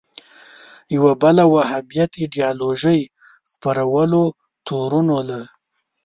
یوه بله وهابیت ایدیالوژۍ خپرولو تورنوله